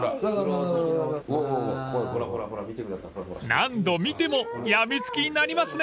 ［何度見ても病みつきになりますね］